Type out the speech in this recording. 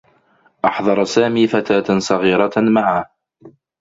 أحضر سامي فتاة صغيرة معه.